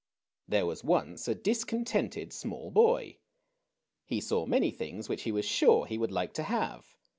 There was once a discontented small boy. He saw many things which he was sure he would like to have.